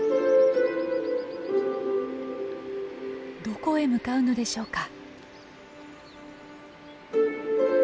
どこへ向かうのでしょうか。